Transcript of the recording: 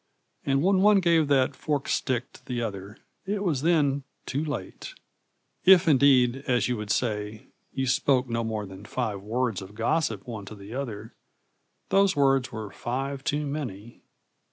And when one gave the forked stick to the other, it was then too late. If indeed, as you would say, you spoke no more than five words of gossip one to the other, those words were five too many.